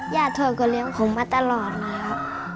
ย่าทวดก็เลี้ยงผมมาตลอดแล้ว